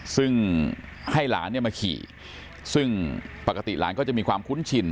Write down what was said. ซึ่งให้หลานเนี่ยมาขี่ซึ่งปกติหลานก็จะมีความคุ้นชิน